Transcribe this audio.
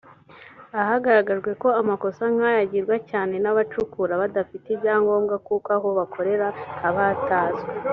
ahagaragajwe ko amakosa nk’aya agirwa cyane n’aba bacukura badafite ibyangombwa kuko aho bakorera haba batazwi